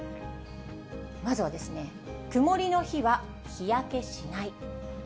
まずは曇りの日は日焼けしない。